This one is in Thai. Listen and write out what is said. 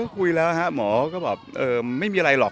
คุยแล้วฮะหมอก็แบบไม่มีอะไรหรอก